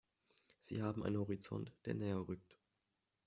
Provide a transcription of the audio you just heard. Sie haben einen Horizont, der näher rückt.